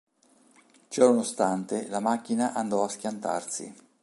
Ciononostante la macchina andò a schiantarsi.